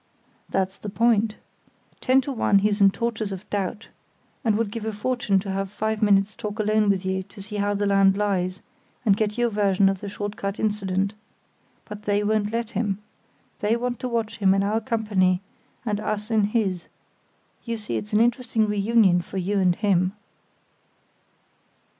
"That's the point. Ten to one he's in tortures of doubt, and would give a fortune to have five minutes' talk alone with you to see how the land lies and get your version of the short cut incident. But they won't let him. They want to watch him in our company and us in his; you see it's an interesting reunion for you and him."